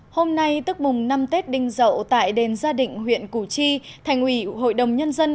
hôm nay tức mùng năm tết đinh dậu tại đền gia định huyện củ chi thành ủy hội đồng nhân dân